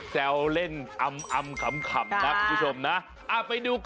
เศร้าเล่งอำขัมนะผู้ชมน่ะ